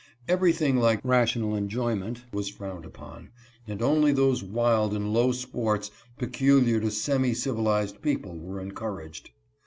Everything like rational enjoyment was frowned upon, and only those wild and low sports peculiar to semi civilized people were encouraged.